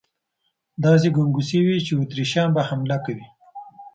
داسې ګنګوسې وې چې اتریشیان به حمله کوي.